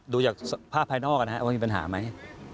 ดูจากสภาพภายนอกนะครับว่ามีปัญหาไหม